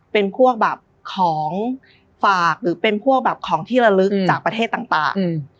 เป็นพวกแบบของฝากหรือเป็นพวกแบบของที่ระลึกจากประเทศต่าง